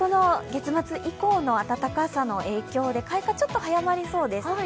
月末以降の暖かさの影響で、か以下はちょっと早まりそうです。